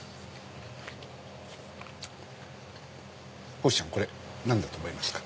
こひちゃんこれ何だと思いますか？